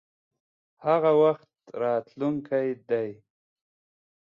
هغه وخت راتلونکی دی.